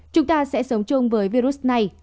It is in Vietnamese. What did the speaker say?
chúng ta sẽ sống chung với virus này